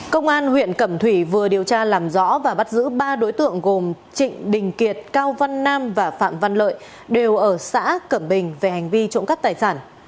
công an huyện cẩm thủy vừa điều tra làm rõ và bắt giữ ba đối tượng gồm trịnh đình kiệt cao văn nam và phạm văn lợi đều ở xã cẩm bình về hành vi trộm cắp tài sản